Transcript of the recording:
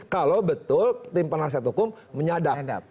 kalau betul tim penasihat hukum menyadap